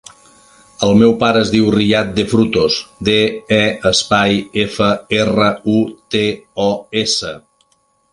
El meu pare es diu Riyad De Frutos: de, e, espai, efa, erra, u, te, o, essa.